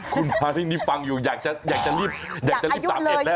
คุณนาธารินีฟังอยู่อยากจะรีบ๓๑แล้ว